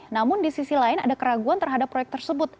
namun di sisi lain ada keraguan terhadap proyek tersebut